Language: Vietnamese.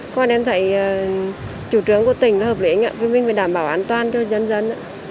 còn em thấy chủ trương của tỉnh hợp lý mình phải đảm bảo an toàn cho dân dân